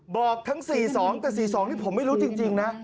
บอกทั้ง๔๒แต่๔๒นี่ผมไม่รู้จริงนะ